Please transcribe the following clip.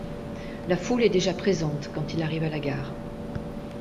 La foule est déjà présente quand il arrive à la gare.